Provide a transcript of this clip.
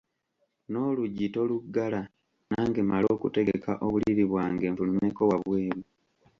N’oluggi toluggala nange mmale okutegeka obuliri bwange nfulumeko wabweru.